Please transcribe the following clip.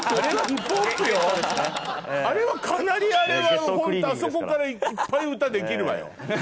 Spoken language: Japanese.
あれはかなりあれはホントあそこからいっぱい歌出来るわよ。